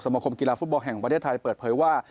คมกีฬาฟุตบอลแห่งประเทศไทยเปิดเผยว่า